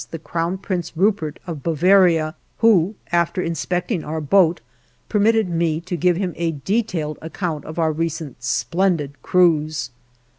the Crown Prince Rupprecht of Bavaria, who, after inspecting our boat, permitted me to give him a detailed account of our recent splendid cruise.